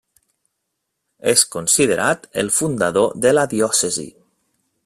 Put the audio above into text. És considerat el fundador de la diòcesi.